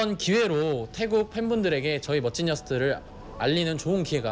ตอนนี้เรามาเมื่อไหร่ทำไมเรามาเมื่อไหร่